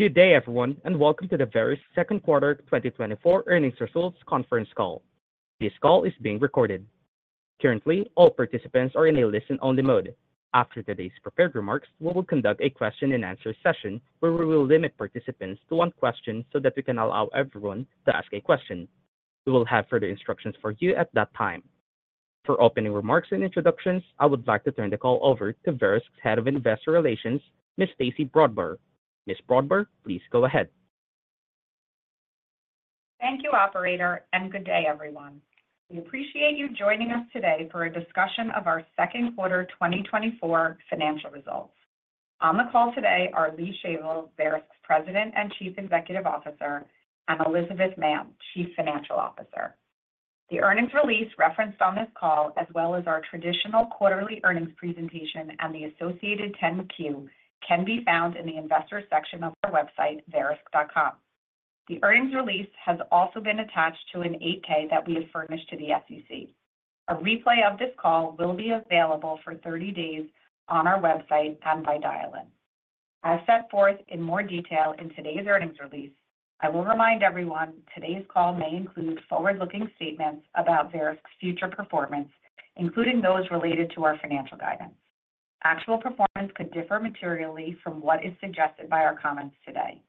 Good day, everyone, and welcome to the Verisk Second Quarter 2024 Earnings Results Conference Call. This call is being recorded. Currently, all participants are in a listen-only mode. After today's prepared remarks, we will conduct a question and answer session, where we will limit participants to one question so that we can allow everyone to ask a question. We will have further instructions for you at that time. For opening remarks and introductions, I would like to turn the call over to Verisk's Head of Investor Relations, Ms. Stacey Brodbar. Ms. Brodbar, please go ahead. Thank you, operator, and good day, everyone. We appreciate you joining us today for a discussion of our second quarter 2024 financial results. On the call today are Lee Shavel, Verisk's President and Chief Executive Officer, and Elizabeth Mann, Chief Financial Officer. The earnings release referenced on this call, as well as our traditional quarterly earnings presentation and the associated 10-Q, can be found in the investors section of our website, verisk.com. The earnings release has also been attached to an 8-K that we have furnished to the SEC. A replay of this call will be available for 30 days on our website and by dial-in. As set forth in more detail in today's earnings release, I will remind everyone, today's call may include forward-looking statements about Verisk's future performance, including those related to our financial guidance. Actual performance could differ materially from what is suggested by our comments today.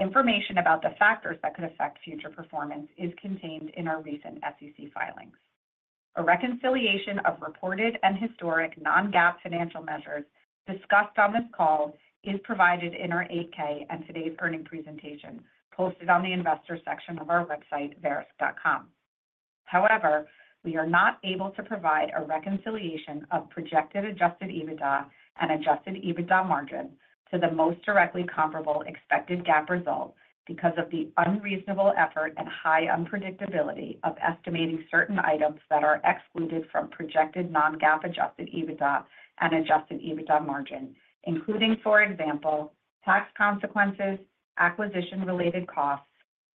Information about the factors that could affect future performance is contained in our recent SEC filings. A reconciliation of reported and historic non-GAAP financial measures discussed on this call is provided in our 8-K and today's earnings presentation, posted on the investor section of our website, verisk.com. However, we are not able to provide a reconciliation of projected Adjusted EBITDA and Adjusted EBITDA margin to the most directly comparable expected GAAP results because of the unreasonable effort and high unpredictability of estimating certain items that are excluded from projected non-GAAP Adjusted EBITDA and Adjusted EBITDA margin, including, for example, tax consequences, acquisition-related costs,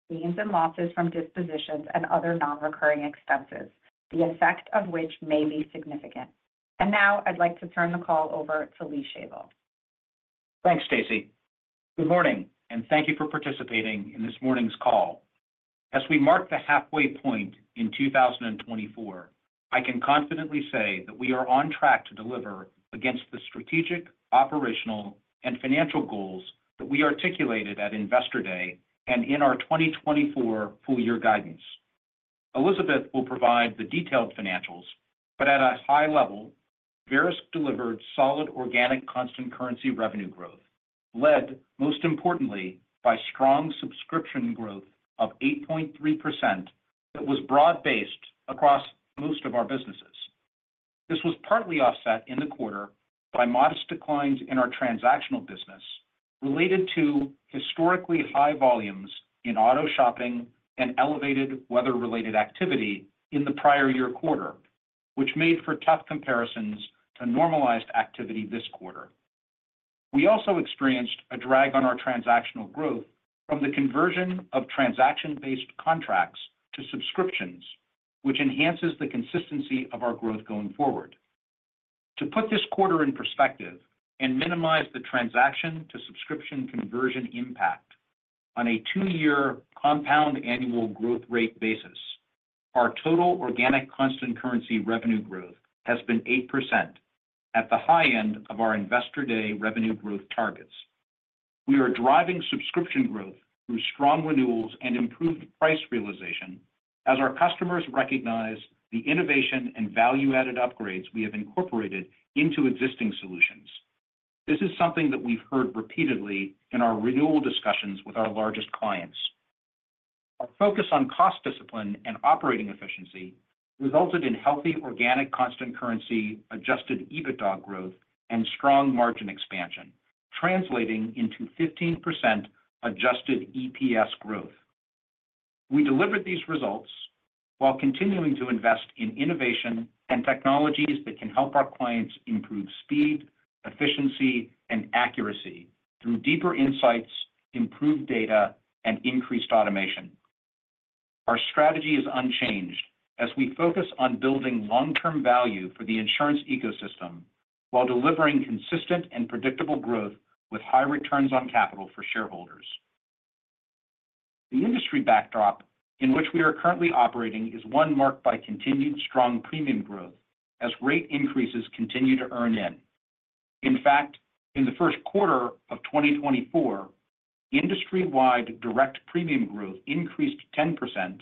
gains and losses from dispositions and other non-recurring expenses, the effect of which may be significant. Now I'd like to turn the call over to Lee Shavel. Thanks, Stacey. Good morning, and thank you for participating in this morning's call. As we mark the halfway point in 2024, I can confidently say that we are on track to deliver against the strategic, operational, and financial goals that we articulated at Investor Day and in our 2024 full-year guidance. Elizabeth will provide the detailed financials, but at a high level, Verisk delivered solid organic constant currency revenue growth, led most importantly by strong subscription growth of 8.3% that was broad-based across most of our businesses. This was partly offset in the quarter by modest declines in our transactional business related to historically high volumes in auto shopping and elevated weather-related activity in the prior-year quarter, which made for tough comparisons to normalized activity this quarter. We also experienced a drag on our transactional growth from the conversion of transaction-based contracts to subscriptions, which enhances the consistency of our growth going forward. To put this quarter in perspective and minimize the transaction to subscription conversion impact on a two-year compound annual growth rate basis, our total organic constant currency revenue growth has been 8% at the high end of our Investor Day revenue growth targets. We are driving subscription growth through strong renewals and improved price realization as our customers recognize the innovation and value-added upgrades we have incorporated into existing solutions. This is something that we've heard repeatedly in our renewal discussions with our largest clients. Our focus on cost discipline and operating efficiency resulted in healthy organic, constant currency, Adjusted EBITDA growth and strong margin expansion, translating into 15% Adjusted EPS growth. We delivered these results while continuing to invest in innovation and technologies that can help our clients improve speed, efficiency, and accuracy through deeper insights, improved data, and increased automation. Our strategy is unchanged as we focus on building long-term value for the insurance ecosystem while delivering consistent and predictable growth with high returns on capital for shareholders. The industry backdrop in which we are currently operating is one marked by continued strong premium growth as rate increases continue to earn in. In fact, in the first quarter of 2024, industry-wide direct premium growth increased 10%,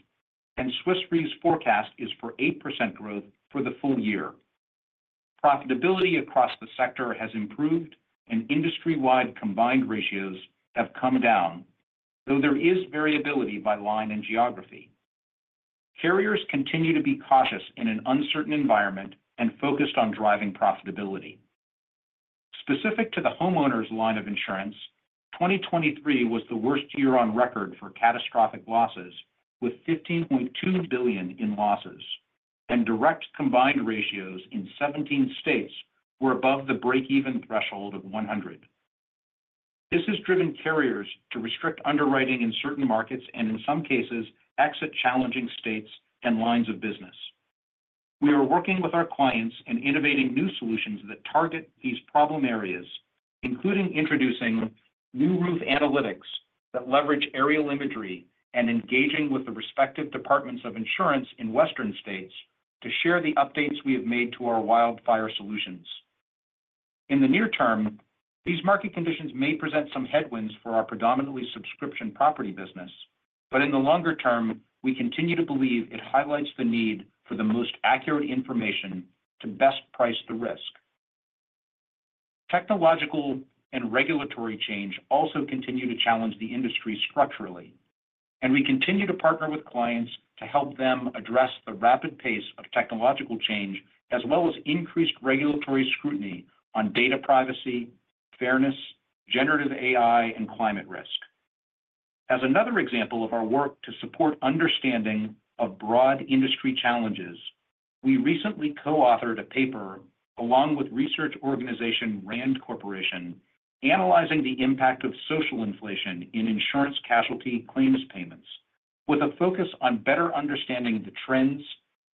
and Swiss Re's forecast is for 8% growth for the full-year. Profitability across the sector has improved, and industry-wide combined ratios have come down, though there is variability by line and geography. Carriers continue to be cautious in an uncertain environment and focused on driving profitability. Specific to the homeowners line of insurance, 2023 was the worst year on record for catastrophic losses, with $15.2 billion in losses, and direct combined ratios in 17 states were above the break-even threshold of 100. This has driven carriers to restrict underwriting in certain markets and in some cases, exit challenging states and lines of business. We are working with our clients and innovating new solutions that target these problem areas, including introducing new roof analytics that leverage aerial imagery and engaging with the respective departments of insurance in Western states to share the updates we have made to our wildfire solutions. In the near term, these market conditions may present some headwinds for our predominantly subscription property business. But in the longer term, we continue to believe it highlights the need for the most accurate information to best price the risk. Technological and regulatory change also continue to challenge the industry structurally, and we continue to partner with clients to help them address the rapid pace of technological change, as well as increased regulatory scrutiny on data privacy, fairness, generative AI, and climate risk. As another example of our work to support understanding of broad industry challenges, we recently co-authored a paper, along with research organization, RAND Corporation, analyzing the impact of social inflation in insurance casualty claims payments, with a focus on better understanding the trends,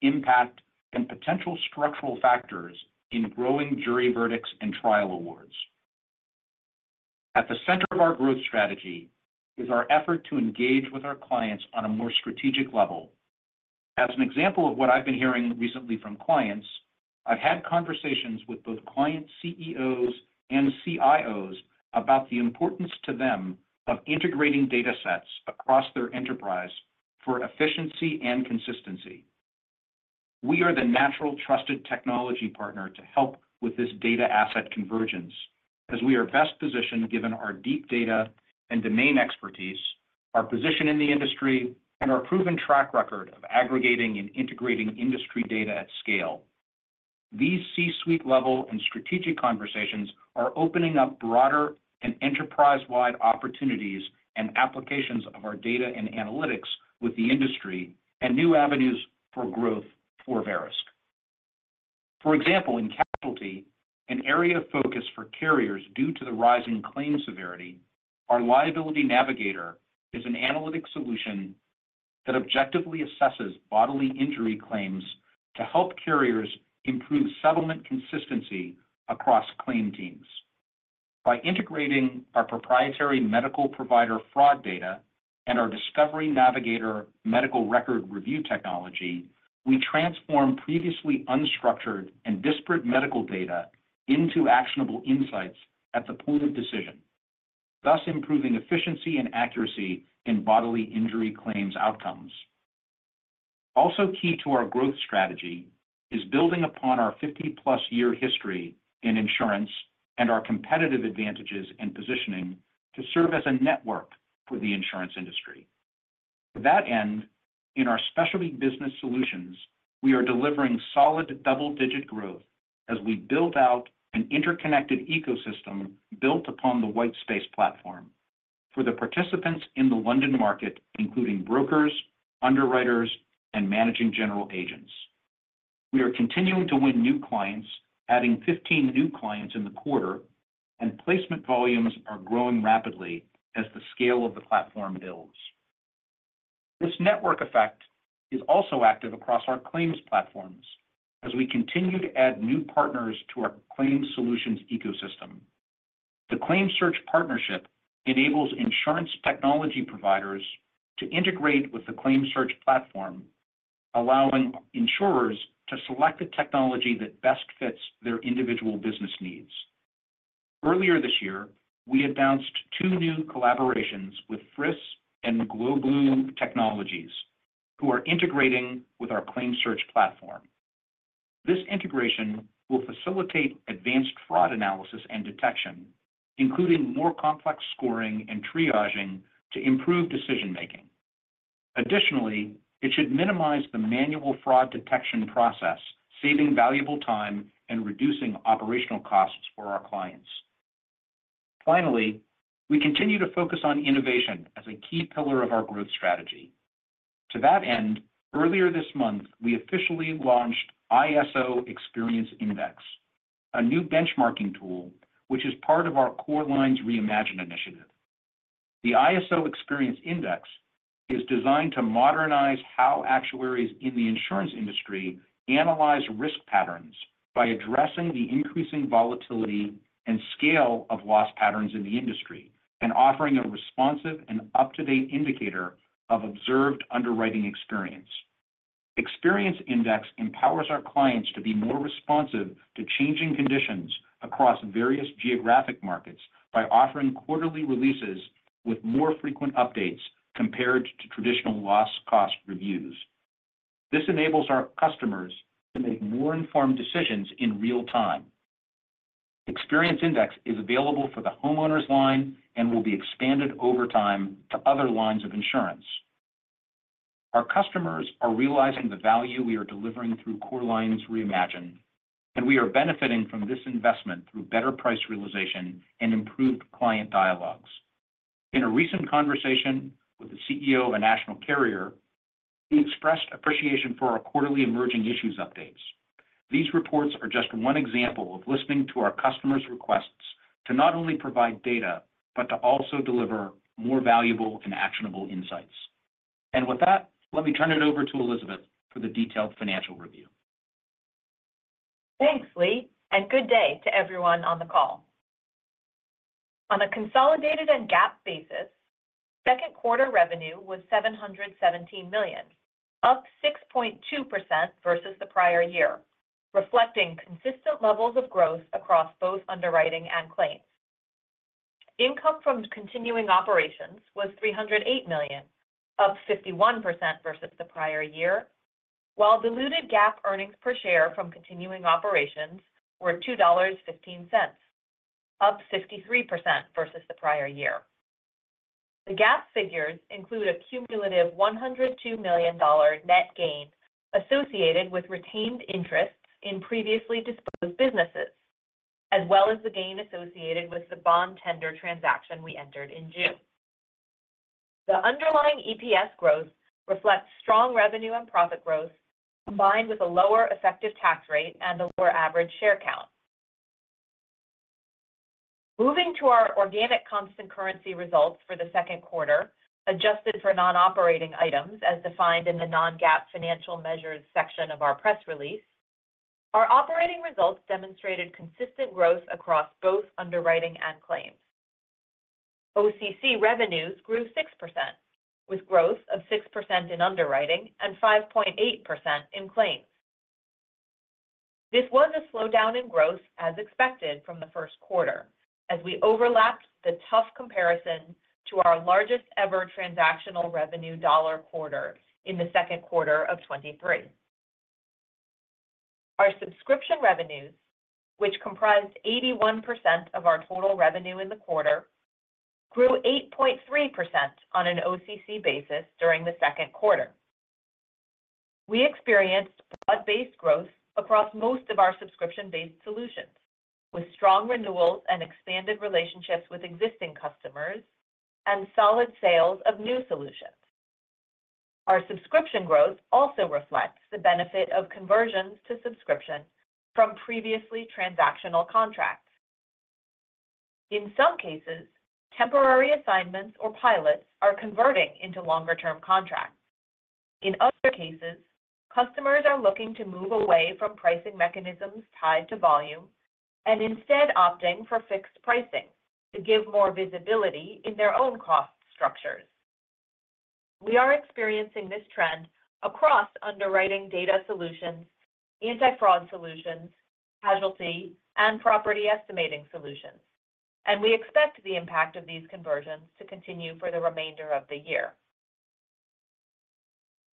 impact, and potential structural factors in growing jury verdicts and trial awards. At the center of our growth strategy is our effort to engage with our clients on a more strategic level. As an example of what I've been hearing recently from clients, I've had conversations with both client CEOs and CIOs about the importance to them of integrating data sets across their enterprise for efficiency and consistency. We are the natural, trusted technology partner to help with this data asset convergence as we are best positioned, given our deep data and domain expertise, our position in the industry, and our proven track record of aggregating and integrating industry data at scale. These C-suite level and strategic conversations are opening up broader and enterprise-wide opportunities and applications of our data and analytics with the industry, and new avenues for growth for Verisk. For example, in casualty, an area of focus for carriers due to the rise in claim severity, our Liability Navigator is an analytic solution that objectively assesses bodily injury claims to help carriers improve settlement consistency across claim teams. By integrating our proprietary medical provider fraud data and our Discovery Navigator medical record review technology, we transform previously unstructured and disparate medical data into actionable insights at the point of decision, thus improving efficiency and accuracy in bodily injury claims outcomes. Also key to our growth strategy is building upon our 50+ year history in insurance and our competitive advantages and positioning to serve as a network for the insurance industry. To that end, in our Specialty Business Solutions, we are delivering solid double-digit growth as we build out an interconnected ecosystem built upon the Whitespace platform for the participants in the London market, including brokers, underwriters, and managing general agents. We are continuing to win new clients, adding 15 new clients in the quarter, and placement volumes are growing rapidly as the scale of the platform builds. This network effect is also active across our claims platforms as we continue to add new partners to our claims solutions ecosystem. The ClaimSearch partnership enables insurance technology providers to integrate with the ClaimSearch platform, allowing insurers to select the technology that best fits their individual business needs. Earlier this year, we announced two new collaborations with FRISS and Globlue Technologies, who are integrating with our ClaimSearch platform. This integration will facilitate advanced fraud analysis and detection, including more complex scoring and triaging to improve decision-making. Additionally, it should minimize the manual fraud detection process, saving valuable time and reducing operational costs for our clients. Finally, we continue to focus on innovation as a key pillar of our growth strategy. To that end, earlier this month, we officially launched ISO Experience Index, a new benchmarking tool, which is part of our Core Lines Reimagined initiative. The ISO Experience Index is designed to modernize how actuaries in the insurance industry analyze risk patterns by addressing the increasing volatility and scale of loss patterns in the industry and offering a responsive and up-to-date indicator of observed underwriting experience. Experience Index empowers our clients to be more responsive to changing conditions across various geographic markets by offering quarterly releases with more frequent updates compared to traditional loss cost reviews. This enables our customers to make more informed decisions in real time. Experience Index is available for the homeowners line and will be expanded over time to other lines of insurance. Our customers are realizing the value we are delivering through Core Lines Reimagined, and we are benefiting from this investment through better price realization and improved client dialogues. In a recent conversation with the CEO of a national carrier, he expressed appreciation for our quarterly emerging issues updates. These reports are just one example of listening to our customers' requests to not only provide data, but to also deliver more valuable and actionable insights. With that, let me turn it over to Elizabeth for the detailed financial review. Thanks, Lee, and good day to everyone on the call. On a consolidated and GAAP basis, second quarter revenue was $717 million, up 6.2% versus the prior-year, reflecting consistent levels of growth across both underwriting and claims. Income from continuing operations was $308 million, up 51% versus the prior-year, while diluted GAAP earnings per share from continuing operations were $2.15, up 53% versus the prior-year. The GAAP figures include a cumulative $102 million net gain associated with retained interests in previously disposed businesses, as well as the gain associated with the bond tender transaction we entered in June. The underlying EPS growth reflects strong revenue and profit growth, combined with a lower effective tax rate and a lower average share count. Moving to our organic constant currency results for the second quarter, adjusted for non-operating items, as defined in the non-GAAP financial measures section of our press release, our operating results demonstrated consistent growth across both underwriting and claims. OCC revenues grew 6%, with growth of 6% in underwriting and 5.8% in claims. This was a slowdown in growth, as expected from the first quarter, as we overlapped the tough comparison to our largest ever transactional revenue dollar quarter in the second quarter of 2023. Our subscription revenues, which comprised 81% of our total revenue in the quarter, grew 8.3% on an OCC basis during the second quarter. We experienced broad-based growth across most of our subscription-based solutions, with strong renewals and expanded relationships with existing customers and solid sales of new solutions. Our subscription growth also reflects the benefit of conversions to subscription from previously transactional contracts. In some cases, temporary assignments or pilots are converting into longer-term contracts. In other cases, customers are looking to move away from pricing mechanisms tied to volume and instead opting for fixed pricing to give more visibility in their own cost structures. We are experiencing this trend across Underwriting Data Solutions, Anti-Fraud Solutions, casualty, and Property Estimating Solutions, and we expect the impact of these conversions to continue for the remainder of the year.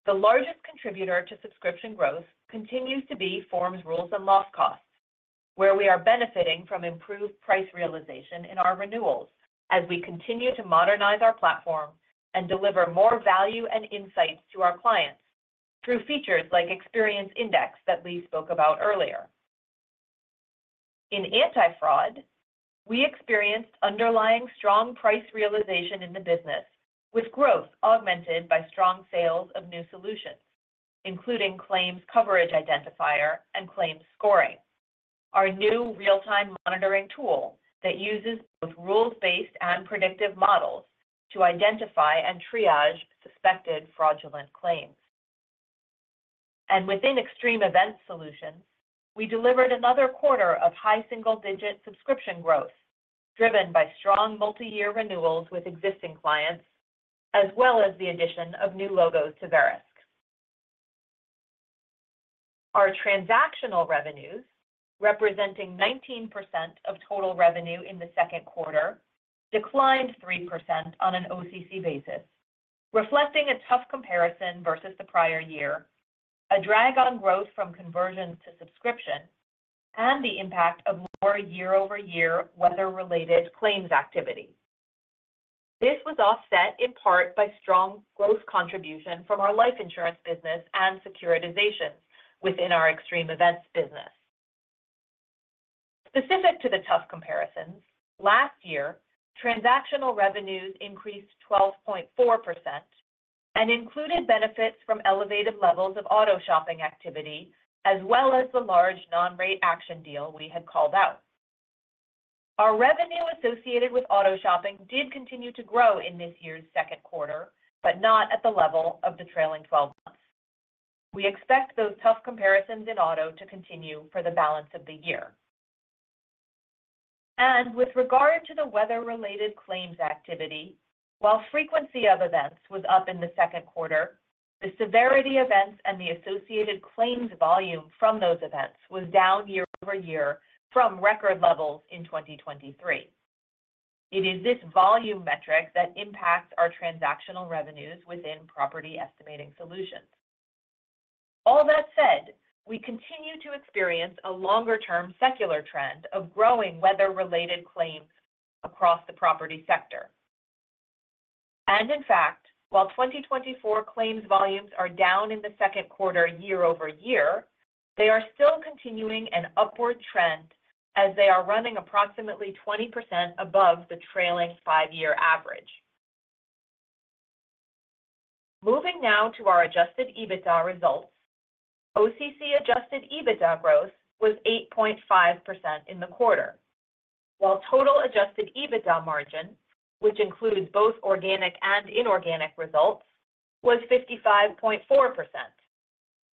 The largest contributor to subscription growth continues to be Forms, Rules, and Loss Costs, where we are benefiting from improved price realization in our renewals as we continue to modernize our platform and deliver more value and insights to our clients through features like Experience Index that Lee spoke about earlier. In anti-fraud, we experienced underlying strong price realization in the business, with growth augmented by strong sales of new solutions, including Claims Coverage Identifier and Claims Scoring, our new real-time monitoring tool that uses both rules-based and predictive models to identify and triage suspected fraudulent claims. Within Extreme Events Solutions, we delivered another quarter of high single-digit subscription growth, driven by strong multi-year renewals with existing clients, as well as the addition of new logos to Verisk. Our transactional revenues, representing 19% of total revenue in the second quarter, declined 3% on an OCC basis, reflecting a tough comparison versus the prior-year, a drag on growth from conversion to subscription, and the impact of more year-over-year weather-related claims activity. This was offset in part by strong growth contribution from our life insurance business and securitizations within our Extreme Events business. Specific to the tough comparisons, last year, transactional revenues increased 12.4% and included benefits from elevated levels of auto shopping activity, as well as the large non-rate action deal we had called out. Our revenue associated with auto shopping did continue to grow in this year's second quarter, but not at the level of the trailing twelve months. We expect those tough comparisons in auto to continue for the balance of the year. With regard to the weather-related claims activity, while frequency of events was up in the second quarter, the severity events and the associated claims volume from those events was down year-over-year from record levels in 2023. It is this volume metric that impacts our transactional revenues within property estimating solutions. All that said, we continue to experience a longer-term secular trend of growing weather-related claims across the property sector. In fact, while 2024 claims volumes are down in the second quarter year-over-year, they are still continuing an upward trend as they are running approximately 20% above the trailing five-year average. Moving now to our Adjusted EBITDA results. OCC Adjusted EBITDA growth was 8.5% in the quarter, while total Adjusted EBITDA margin, which includes both organic and inorganic results, was 55.4%,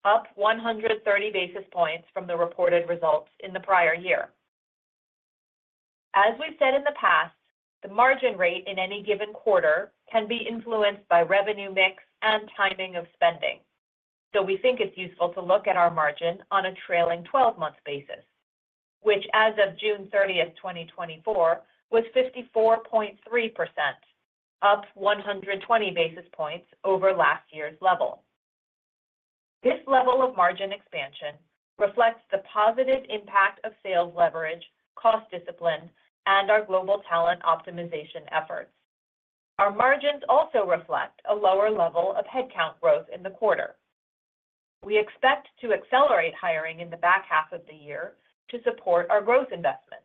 up 130 basis points from the reported results in the prior-year. As we've said in the past, the margin rate in any given quarter can be influenced by revenue mix and timing of spending. So we think it's useful to look at our margin on a trailing 12-month basis, which as of June 30, 2024, was 54.3%, up 120 basis points over last year's level. This level of margin expansion reflects the positive impact of sales leverage, cost discipline, and our global talent optimization efforts. Our margins also reflect a lower level of headcount growth in the quarter. We expect to accelerate hiring in the back half of the year to support our growth investments.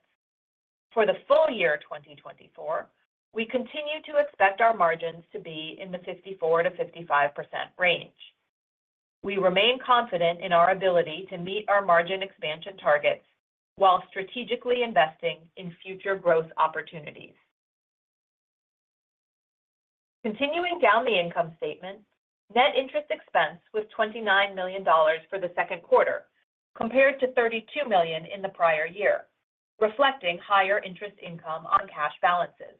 For the full-year 2024, we continue to expect our margins to be in the 54% to 55% range. We remain confident in our ability to meet our margin expansion targets while strategically investing in future growth opportunities. Continuing down the income statement, net interest expense was $29 million for the second quarter, compared to $32 million in the prior-year, reflecting higher interest income on cash balances.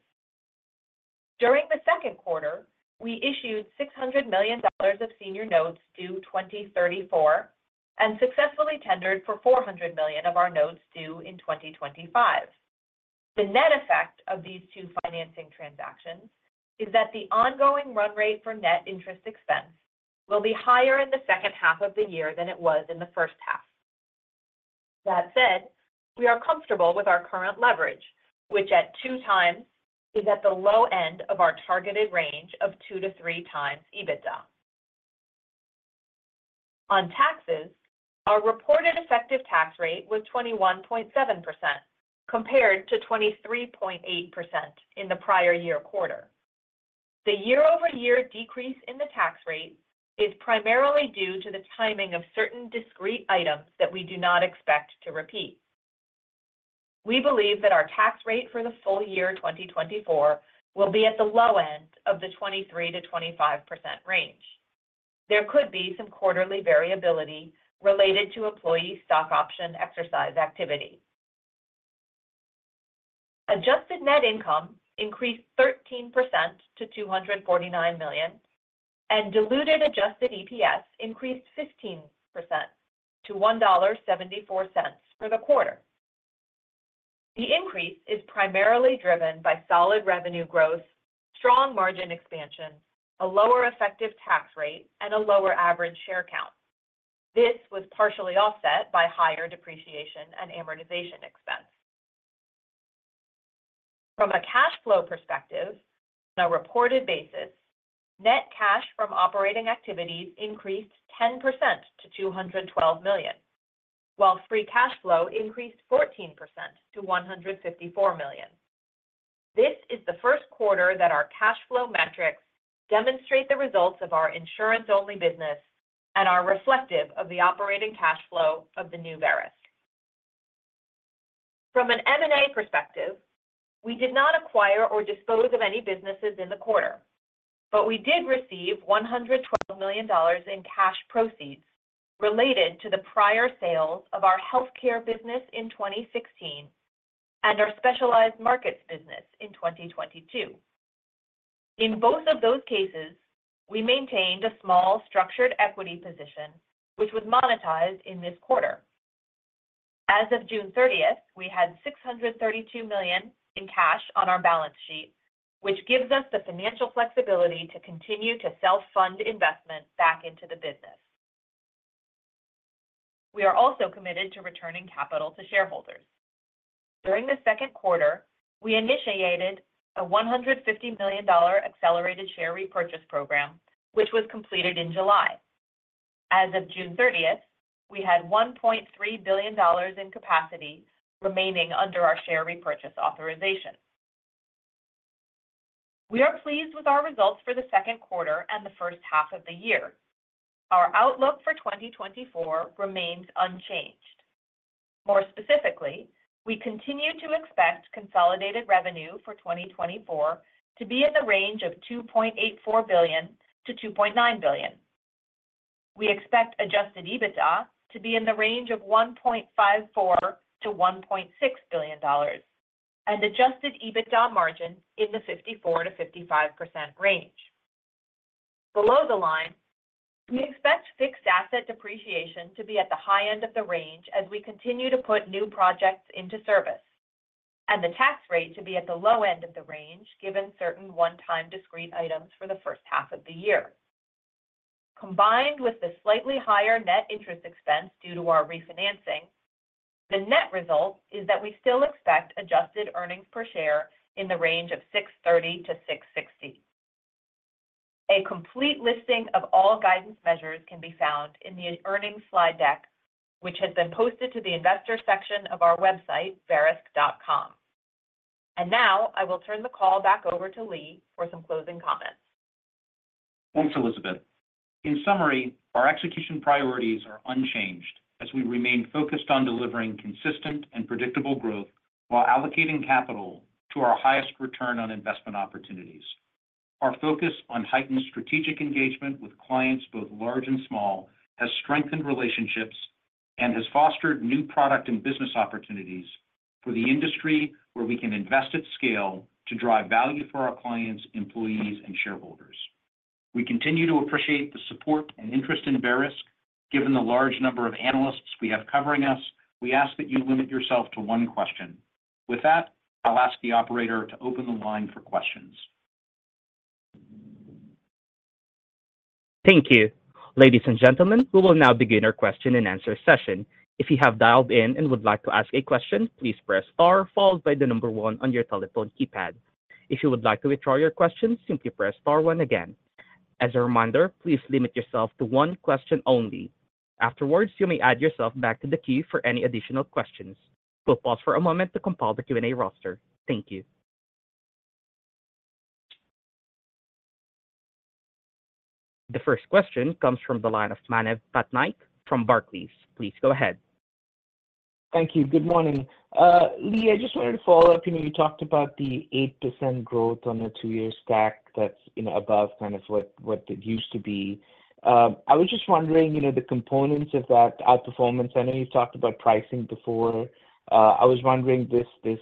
During the second quarter, we issued $600 million of senior notes due 2034, and successfully tendered for $400 million of our notes due in 2025. The net effect of these two financing transactions is that the ongoing run rate for net interest expense will be higher in the second half of the year than it was in the first half. That said, we are comfortable with our current leverage, which at 2x is at the low end of our targeted range of 2x to 3x EBITDA. On taxes, our reported effective tax rate was 21.7%, compared to 23.8% in the prior-year quarter. The year-over-year decrease in the tax rate is primarily due to the timing of certain discrete items that we do not expect to repeat. We believe that our tax rate for the full-year 2024 will be at the low end of the 23% to 25% range. There could be some quarterly variability related to employee stock option exercise activity. Adjusted net income increased 13% to $249 million, and diluted Adjusted EPS increased 15% to $1.74 for the quarter. The increase is primarily driven by solid revenue growth, strong margin expansion, a lower effective tax rate, and a lower average share count. This was partially offset by higher depreciation and amortization expense. From a cash flow perspective, on a reported basis, net cash from operating activities increased 10% to $212 million, while free cash flow increased 14% to $154 million. This is the first quarter that our cash flow metrics demonstrate the results of our insurance-only business and are reflective of the operating cash flow of the new Verisk. From an M&A perspective, we did not acquire or dispose of any businesses in the quarter, but we did receive $112 million in cash proceeds related to the prior sales of our healthcare business in 2016 and our specialized markets business in 2022. In both of those cases, we maintained a small structured equity position, which was monetized in this quarter. As of June 30th, we had $632 million in cash on our balance sheet, which gives us the financial flexibility to continue to self-fund investments back into the business. We are also committed to returning capital to shareholders. During the second quarter, we initiated a $150 million accelerated share repurchase program, which was completed in July. As of June 30, we had $1.3 billion in capacity remaining under our share repurchase authorization. We are pleased with our results for the second quarter and the first half of the year. Our outlook for 2024 remains unchanged. More specifically, we continue to expect consolidated revenue for 2024 to be in the range of $2.84 billion to $2.9 billion. We expect Adjusted EBITDA to be in the range of $1.54 billion to $1.6 billion, and Adjusted EBITDA margin in the 54% to 55% range. Below the line, we expect fixed asset depreciation to be at the high end of the range as we continue to put new projects into service, and the tax rate to be at the low end of the range, given certain one-time discrete items for the first half of the year. Combined with the slightly higher net interest expense due to our refinancing, the net result is that we still expect adjusted earnings per share in the range of $6.30 to $6.60. A complete listing of all guidance measures can be found in the earnings slide deck, which has been posted to the investor section of our website, Verisk.com. Now I will turn the call back over to Lee for some closing comments. Thanks, Elizabeth. In summary, our execution priorities are unchanged as we remain focused on delivering consistent and predictable growth while allocating capital to our highest return on investment opportunities. Our focus on heightened strategic engagement with clients, both large and small, has strengthened relationships and has fostered new product and business opportunities for the industry, where we can invest at scale to drive value for our clients, employees, and shareholders. We continue to appreciate the support and interest in Verisk. Given the large number of analysts we have covering us, we ask that you limit yourself to one question. With that, I'll ask the operator to open the line for questions. Thank you. Ladies and gentlemen, we will now begin our question-and-answer session. If you have dialed in and would like to ask a question, please press star, followed by the number one on your telephone keypad. If you would like to withdraw your question, simply press star one again. As a reminder, please limit yourself to one question only. Afterwards, you may add yourself back to the queue for any additional questions. We'll pause for a moment to compile the Q&A roster. Thank you. The first question comes from the line of Manav Patnaik from Barclays. Please go ahead. Thank you. Good morning. Lee, I just wanted to follow up. You know, you talked about the 8% growth on the two-year stack that's, you know, above kind of what it used to be. I was just wondering, you know, the components of that outperformance. I know you talked about pricing before. I was wondering this, this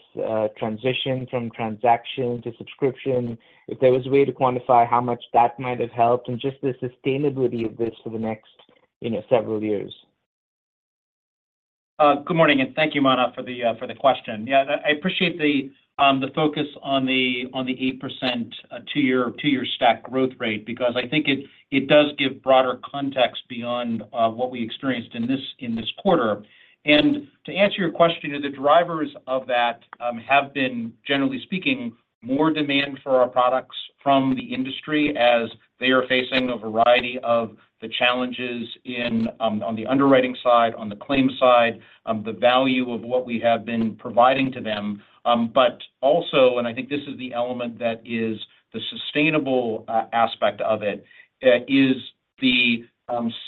transition from transaction to subscription, if there was a way to quantify how much that might have helped and just the sustainability of this for the next, you know, several years. Good morning, and thank you, Manav, for the question. Yeah, I appreciate the focus on the 8% two-year stack growth rate because I think it does give broader context beyond what we experienced in this quarter. And to answer your question, the drivers of that have been, generally speaking, more demand for our products from the industry as they are facing a variety of challenges in on the underwriting side, on the claims side, the value of what we have been providing to them. But also, and I think this is the element that is the sustainable aspect of it, is the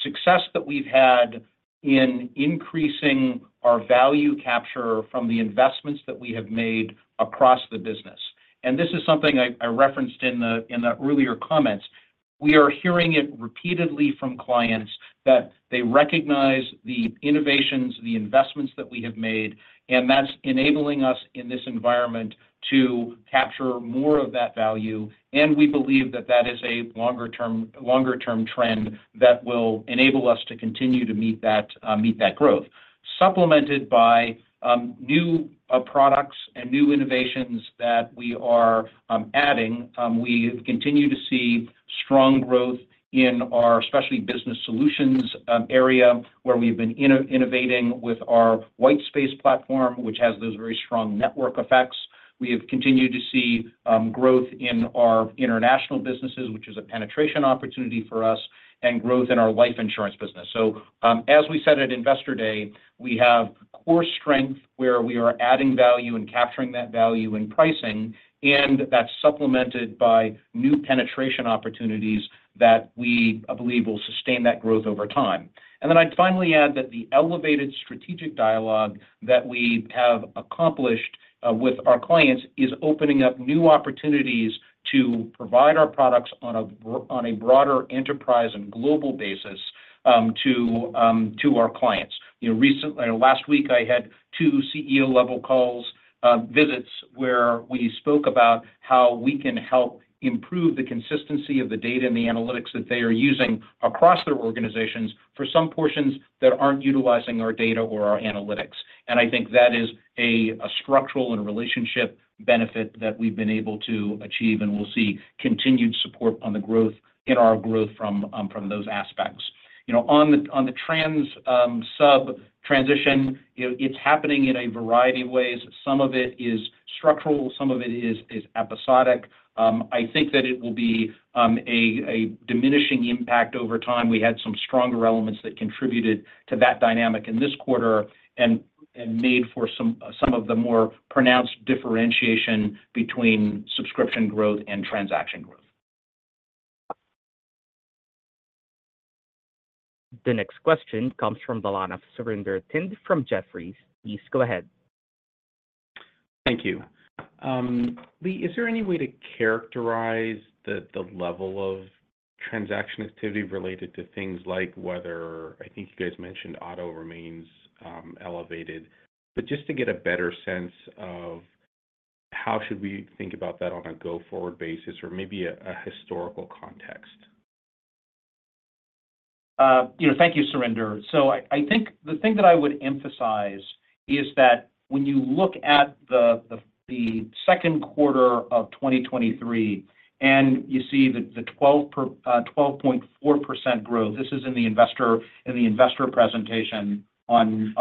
success that we've had in increasing our value capture from the investments that we have made across the business. And this is something I referenced in the earlier comments. We are hearing it repeatedly from clients that they recognize the innovations, the investments that we have made, and that's enabling us in this environment to capture more of that value. And we believe that that is a longer term, longer term trend that will enable us to continue to meet that growth. Supplemented by new products and new innovations that we are adding. We continue to see strong growth in our specialty business solutions area, where we've been innovating with our Whitespace platform, which has those very strong network effects. We have continued to see growth in our international businesses, which is a penetration opportunity for us, and growth in our life insurance business. So, as we said at Investor Day, we have core strength where we are adding value and capturing that value in pricing, and that's supplemented by new penetration opportunities that we believe will sustain that growth over time. And then I'd finally add that the elevated strategic dialogue that we have accomplished with our clients is opening up new opportunities to provide our products on a broader enterprise and global basis, to our clients. You know, recently, last week, I had two CEO-level calls, visits, where we spoke about how we can help improve the consistency of the data and the analytics that they are using across their organizations for some portions that aren't utilizing our data or our analytics. I think that is a structural and relationship benefit that we've been able to achieve, and we'll see continued support on the growth in our growth from those aspects. You know, on the transactional subscription transition, you know, it's happening in a variety of ways. Some of it is structural, some of it is episodic. I think that it will be a diminishing impact over time. We had some stronger elements that contributed to that dynamic in this quarter and made for some of the more pronounced differentiation between subscription growth and transactional growth. The next question comes from the line of Surinder Thind from Jefferies. Please go ahead. Thank you. Lee, is there any way to characterize the level of transaction activity related to things like whether—I think you guys mentioned auto remains elevated, but just to get a better sense of how should we think about that on a go-forward basis or maybe a historical context? You know, thank you, Surinder. So I think the thing that I would emphasize is that when you look at the second quarter of 2023, and you see the 12.4% growth, this is in the investor presentation on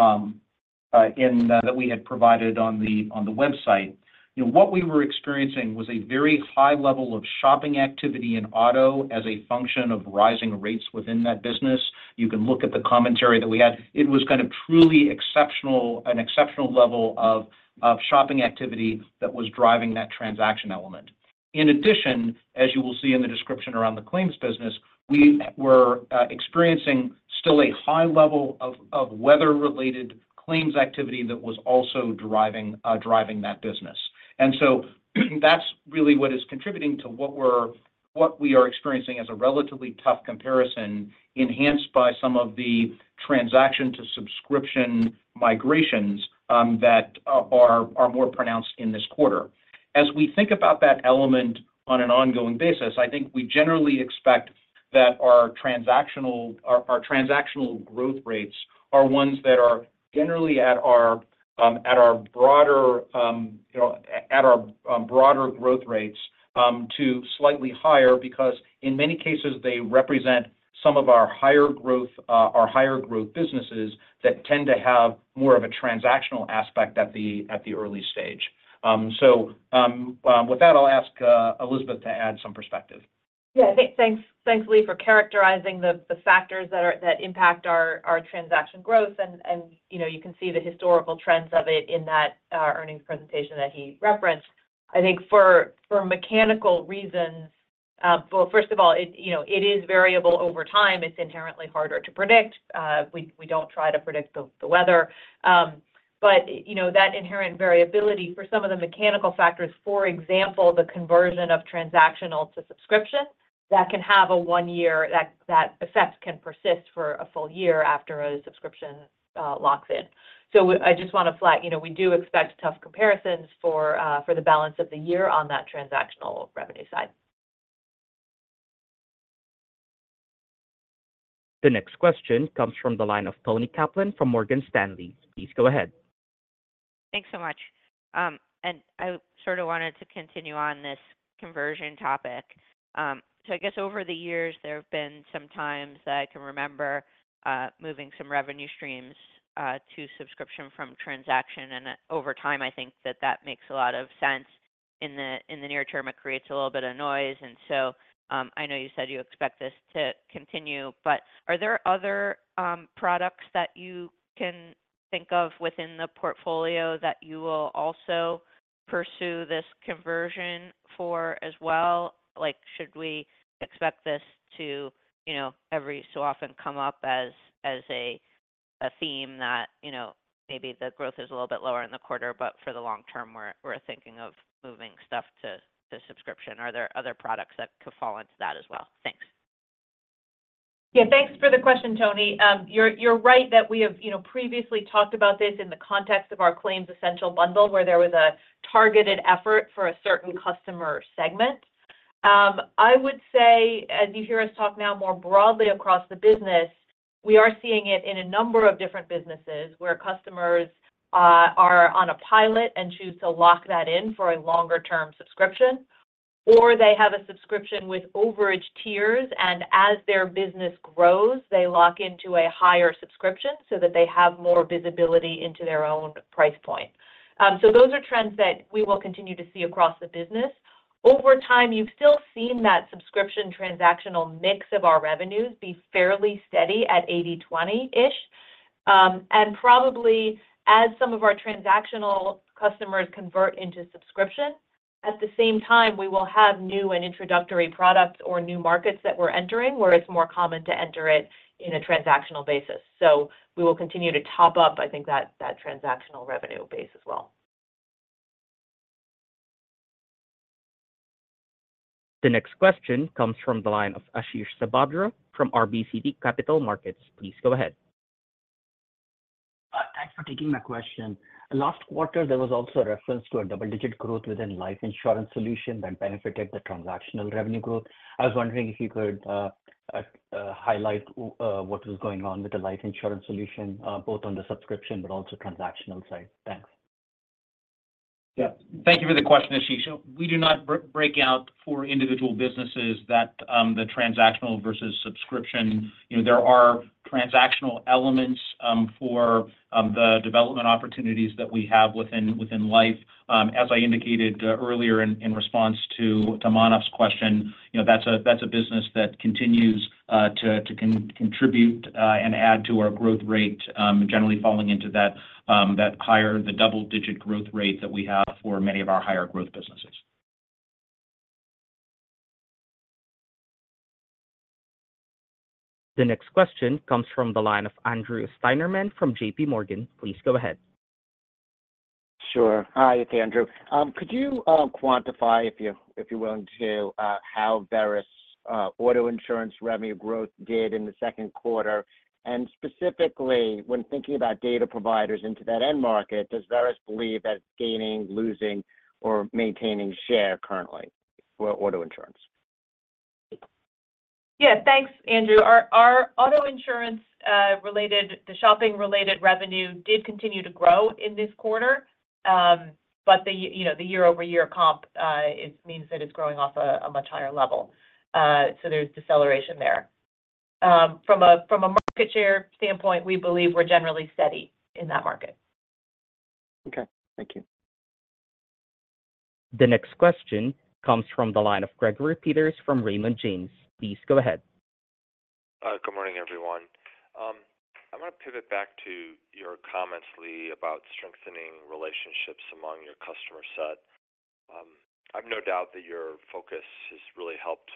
that we had provided on the website. You know, what we were experiencing was a very high level of shopping activity in auto as a function of rising rates within that business. You can look at the commentary that we had. It was kind of truly exceptional—an exceptional level of shopping activity that was driving that transaction element. In addition, as you will see in the description around the claims business, we were experiencing still a high level of weather-related claims activity that was also driving that business. And so, that's really what is contributing to what we are experiencing as a relatively tough comparison, enhanced by some of the transaction to subscription migrations that are more pronounced in this quarter. As we think about that element on an ongoing basis, I think we generally expect that our transactional growth rates are ones that are generally at our broader growth rates, you know, to slightly higher. Because in many cases, they represent some of our higher growth businesses that tend to have more of a transactional aspect at the early stage. With that, I'll ask Elizabeth to add some perspective. Yeah. Thanks, thanks, Lee, for characterizing the factors that impact our transaction growth and, you know, you can see the historical trends of it in that earnings presentation that he referenced. I think for mechanical reasons, well, first of all, you know, it is variable over time. It's inherently harder to predict. We don't try to predict the weather. But, you know, that inherent variability for some of the mechanical factors, for example, the conversion of transactional to subscription, that can have a one-year effect that can persist for a full-year after a subscription locks in. So I just want to flag, you know, we do expect tough comparisons for the balance of the year on that transactional revenue side. The next question comes from the line of Toni Kaplan from Morgan Stanley. Please go ahead. Thanks so much. I sort of wanted to continue on this conversion topic. I guess over the years, there have been some times that I can remember, moving some revenue streams, to subscription from transaction, and over time, I think that that makes a lot of sense. In the near term, it creates a little bit of noise, and so, I know you said you expect this to continue, but are there other products that you can think of within the portfolio that you will also pursue this conversion for as well? Like, should we expect this to, you know, every so often come up as a theme that, you know, maybe the growth is a little bit lower in the quarter, but for the long term, we're thinking of moving stuff to subscription? Are there other products that could fall into that as well? Thanks. Yeah, thanks for the question, Toni. You're, you're right that we have, you know, previously talked about this in the context of our Claims Essential Bundle, where there was a targeted effort for a certain customer segment. I would say, as you hear us talk now more broadly across the business, we are seeing it in a number of different businesses, where customers are on a pilot and choose to lock that in for a longer-term subscription, or they have a subscription with overage tiers, and as their business grows, they lock into a higher subscription so that they have more visibility into their own price point. So those are trends that we will continue to see across the business. Over time, you've still seen that subscription transactional mix of our revenues be fairly steady at 80/20-ish. And, probably as some of our transactional customers convert into subscription, at the same time, we will have new and introductory products or new markets that we're entering, where it's more common to enter it in a transactional basis. So we will continue to top up, I think, that transactional revenue base as well. The next question comes from the line of Ashish Sabadra from RBC Capital Markets. Please go ahead. Thanks for taking my question. Last quarter, there was also a reference to a double-digit growth within life insurance solution that benefited the transactional revenue growth. I was wondering if you could highlight what was going on with the life insurance solution both on the subscription, but also transactional side? Thanks. Yeah. Thank you for the question, Ashish. We do not break out for individual businesses that, the transactional versus subscription. You know, there are transactional elements, for, the development opportunities that we have within Life. As I indicated, earlier in response to Manav's question, you know, that's a, that's a business that continues to contribute and add to our growth rate, generally falling into that higher—the double-digit growth rate that we have for many of our higher growth businesses. The next question comes from the line of Andrew Steinerman from J.P. Morgan. Please go ahead. Sure. Hi, it's Andrew. Could you quantify, if you're willing to, how Verisk auto insurance revenue growth did in the second quarter? And specifically, when thinking about data providers into that end market, does Verisk believe that it's gaining, losing, or maintaining share currently for auto insurance? Yeah. Thanks, Andrew. Our auto insurance-related, the shopping-related revenue did continue to grow in this quarter. But, you know, the year-over-year comp. It means that it's growing off a much higher level. So there's deceleration there. From a market share standpoint, we believe we're generally steady in that market. Okay, thank you. The next question comes from the line of Gregory Peters from Raymond James. Please go ahead. Morning, everyone. I'm going to pivot back to your comments, Lee, about strengthening relationships among your customer set. I've no doubt that your focus has really helped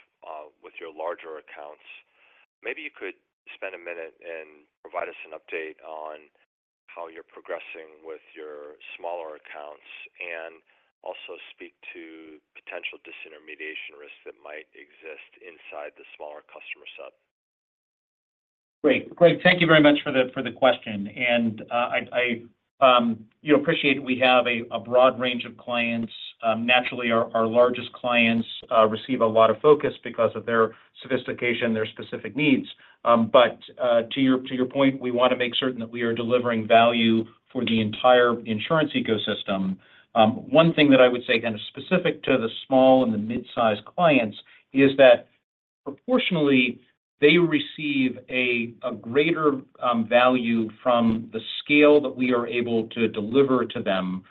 with your larger accounts. Maybe you could spend a minute and provide us an update on how you're progressing with your smaller accounts, and also speak to potential disintermediation risks that might exist inside the smaller customer set? Great. Great. Thank you very much for the question, and, you know, appreciate we have a broad range of clients. Naturally, our largest clients receive a lot of focus because of their sophistication, their specific needs. But, to your point, we want to make certain that we are delivering value for the entire insurance ecosystem. One thing that I would say, kind of specific to the small and the mid-sized clients, is that proportionally, they receive a greater value from the scale that we are able to deliver to them,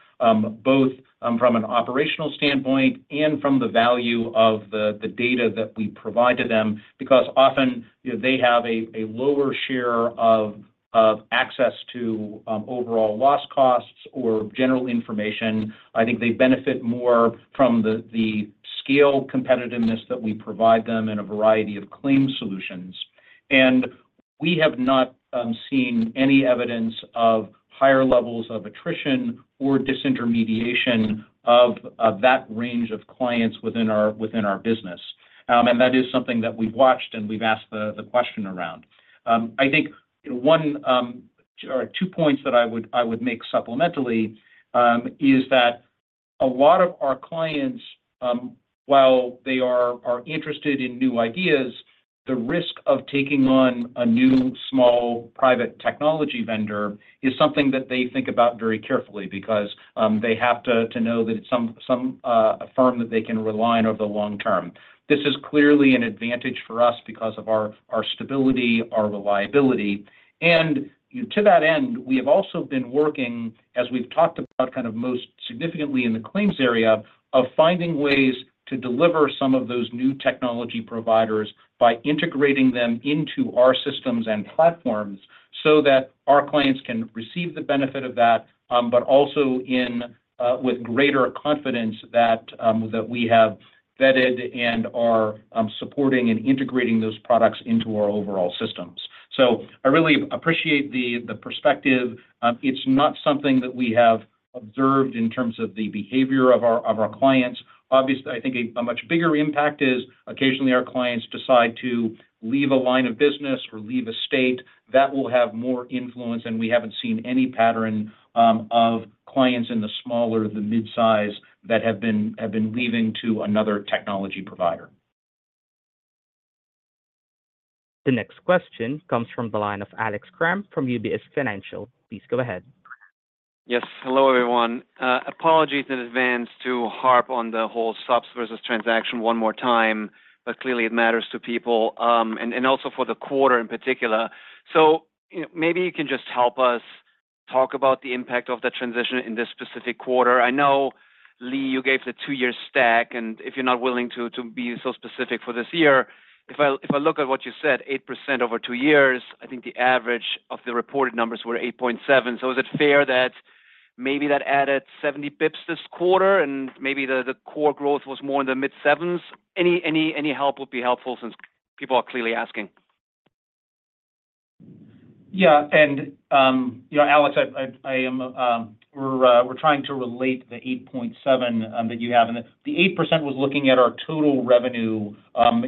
both from an operational standpoint and from the value of the data that we provide to them, because often, you know, they have a lower share of access to overall loss costs or general information. I think they benefit more from the scale competitiveness that we provide them in a variety of claim solutions. And we have not seen any evidence of higher levels of attrition or disintermediation of that range of clients within our business. And that is something that we've watched and we've asked the question around. I think one or two points that I would make supplementally is that a lot of our clients while they are interested in new ideas, the risk of taking on a new small private technology vendor is something that they think about very carefully because they have to know that it's a firm that they can rely on over the long term. This is clearly an advantage for us because of our stability, our reliability. To that end, we have also been working, as we've talked about, kind of most significantly in the claims area of finding ways to deliver some of those new technology providers by integrating them into our systems and platforms so that our clients can receive the benefit of that, but also with greater confidence that we have vetted and are supporting and integrating those products into our overall systems. I really appreciate the perspective. It's not something that we have observed in terms of the behavior of our clients. Obviously, I think a much bigger impact is occasionally our clients decide to leave a line of business or leave a state that will have more influence, and we haven't seen any pattern of clients in the smaller, the mid-size, that have been leaving to another technology provider. The next question comes from the line of Alex Kramm from UBS Financial. Please go ahead. Yes. Hello, everyone. Apologies in advance to harp on the whole subs versus transaction one more time, but clearly it matters to people, and also for the quarter in particular. So, you know, maybe you can just help us talk about the impact of the transition in this specific quarter. I know, Lee, you gave the two-year stack, and if you're not willing to be so specific for this year, if I look at what you said, 8% over two years, I think the average of the reported numbers were 8.7. So is it fair that maybe that added 70 basis points this quarter, and maybe the core growth was more in the mid-sevens? Any help would be helpful since people are clearly asking. Yeah, and, you know, Alex, I am, we're trying to relate the 8.7 that you have. And the 8% was looking at our total revenue,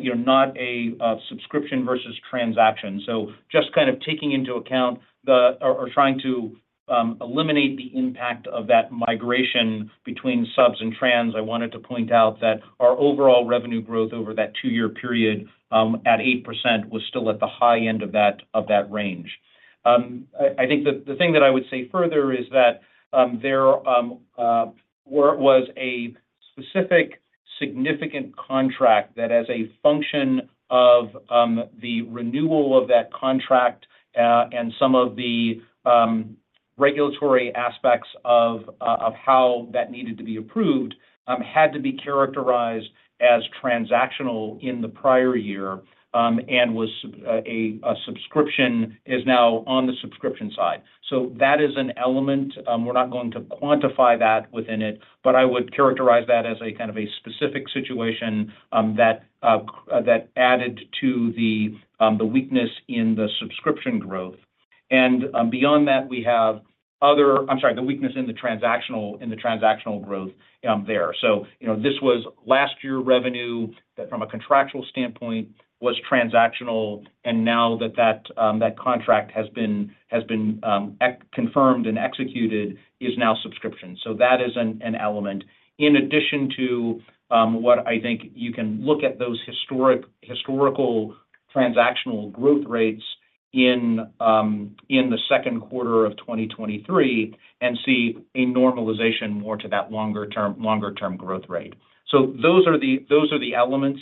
you know, not a subscription versus transaction. So just kind of taking into account or trying to eliminate the impact of that migration between subs and trans, I wanted to point out that our overall revenue growth over that two-year period, at 8%, was still at the high end of that range. I think the thing that I would say further is that there was a specific significant contract that as a function of the renewal of that contract and some of the regulatory aspects of how that needed to be approved had to be characterized as transactional in the prior-year and was a subscription is now on the subscription side. So that is an element. We're not going to quantify that within it, but I would characterize that as a kind of a specific situation that added to the weakness in the subscription growth. And beyond that, we have other—I'm sorry, the weakness in the transactional growth there. So, you know, this was last year revenue that, from a contractual standpoint, was transactional, and now that that contract has been confirmed and executed, is now subscription. So that is an element in addition to what I think you can look at those historical transactional growth rates in the second quarter of 2023, and see a normalization more to that longer term, longer term growth rate. So those are the elements.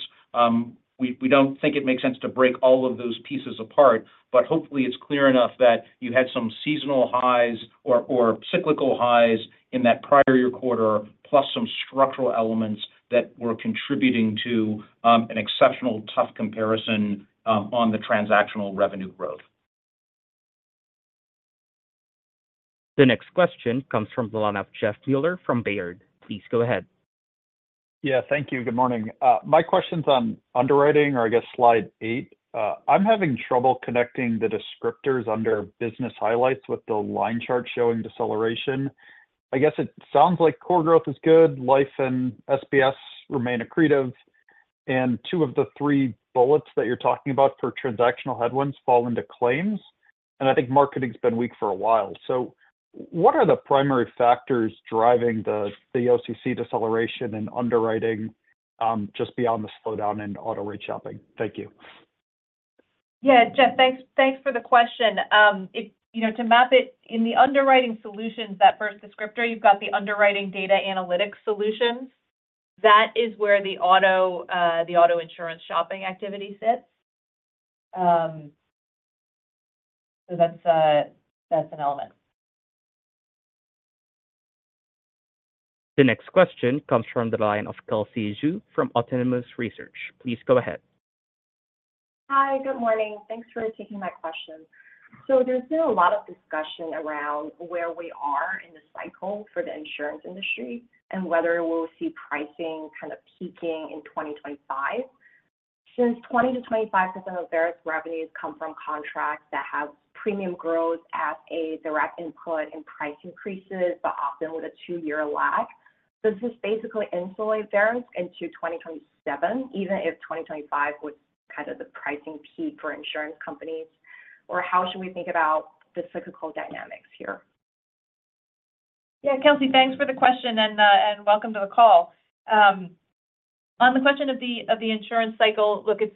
We don't think it makes sense to break all of those pieces apart, but hopefully, it's clear enough that you had some seasonal highs or cyclical highs in that prior-year quarter, plus some structural elements that were contributing to an exceptional tough comparison on the transactional revenue growth. The next question comes from the line of Jeff Meuler from Baird. Please go ahead. Yeah, thank you. Good morning. My question's on underwriting or I guess Slide 8. I'm having trouble connecting the descriptors under business highlights with the line chart showing deceleration. I guess it sounds like core growth is good, life and SBS remain accretive, and two of the three bullets that you're talking about for transactional headwinds fall into claims, and I think marketing's been weak for a while. So what are the primary factors driving the OCC deceleration in underwriting, just beyond the slowdown in auto rate shopping? Thank you. Yeah, Jeff, thanks, thanks for the question. You know, to map it, in the underwriting solutions, that first descriptor, you've got the underwriting data analytics solutions. That is where the auto, the auto insurance shopping activity sits. So that's an element. The next question comes from the line of Kelsey Zhu from Autonomous Research. Please go ahead. Hi, good morning. Thanks for taking my question. So there's been a lot of discussion around where we are in the cycle for the insurance industry and whether we'll see pricing kind of peaking in 2025. Since 20% to 25% of Verisk's revenues come from contracts that have premium growth as a direct input in price increases, but often with a two-year lag, does this basically insulate Verisk into 2027, even if 2025 was kind of the pricing peak for insurance companies? Or how should we think about the cyclical dynamics here? Yeah, Kelsey, thanks for the question, and welcome to the call. On the question of the insurance cycle, look, it's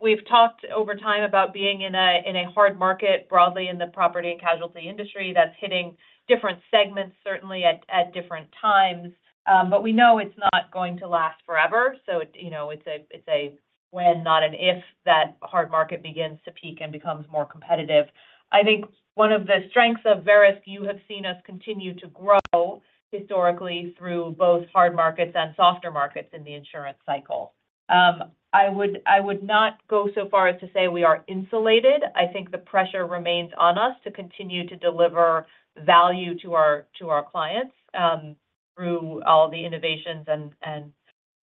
we've talked over time about being in a hard market broadly in the property and casualty industry that's hitting different segments, certainly at different times. But we know it's not going to last forever, so it, you know, it's a when, not an if, that hard market begins to peak and becomes more competitive. I think one of the strengths of Verisk, you have seen us continue to grow historically through both hard markets and softer markets in the insurance cycle. I would not go so far as to say we are insulated. I think the pressure remains on us to continue to deliver value to our, to our clients, through all the innovations and, and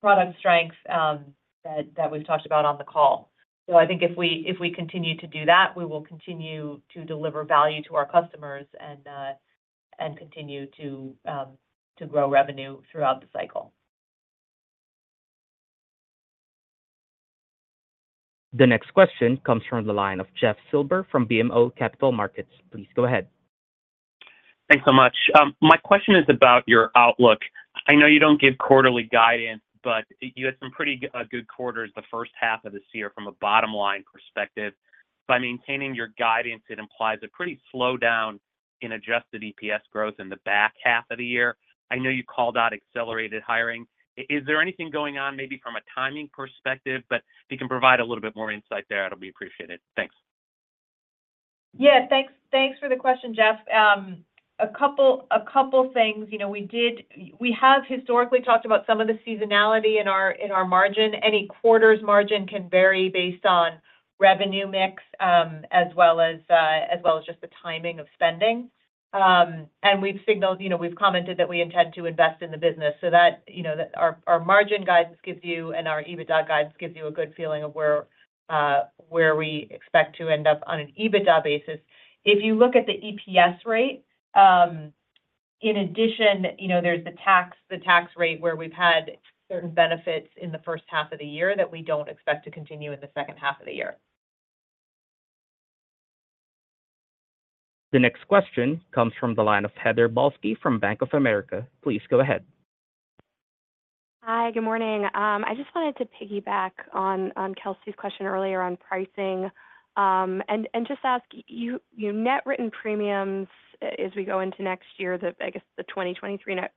product strengths, that, that we've talked about on the call. So I think if we, if we continue to do that, we will continue to deliver value to our customers and, and continue to, to grow revenue throughout the cycle. The next question comes from the line of Jeff Silber from BMO Capital Markets. Please go ahead. Thanks so much. My question is about your outlook. I know you don't give quarterly guidance, but you had some pretty good quarters the first half of this year from a bottom-line perspective. By maintaining your guidance, it implies a pretty slow down in Adjusted EPS growth in the back half of the year. I know you called out accelerated hiring. Is there anything going on, maybe from a timing perspective? But if you can provide a little bit more insight there, it'll be appreciated. Thanks. Yeah, thanks. Thanks for the question, Jeff. A couple things. You know, we have historically talked about some of the seasonality in our margin. Any quarter's margin can vary based on revenue mix, as well as just the timing of spending. And we've signaled, you know, we've commented that we intend to invest in the business so that, you know, our margin guidance gives you and our EBITDA guidance gives you a good feeling of where we expect to end up on an EBITDA basis. If you look at the EPS rate, in addition, you know, there's the tax rate, where we've had certain benefits in the first half of the year that we don't expect to continue in the second half of the year. The next question comes from the line of Heather Balsky from Bank of America. Please go ahead. Hi, good morning. I just wanted to piggyback on Kelsey's question earlier on pricing, and just ask you your net written premiums as we go into next year, I guess, the 2023 net